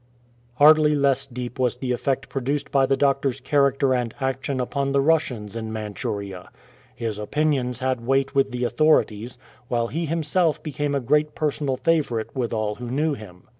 Hardly less deep was the effect produced by the doctor's character and action upon the Russians in Manchuria. His opinions had weight with the authorities, while he himself became a great personal favourite with all who knew him.